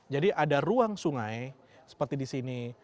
jadi ada ruang sungai seperti di sini